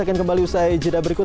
akan kembali usai jeda berikut